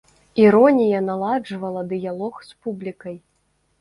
Іронія наладжвала дыялог з публікай.